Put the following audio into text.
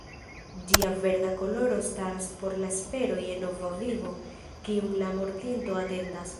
Ĝia verda koloro staras por la espero je nova vivo kiun la mortinto atendas.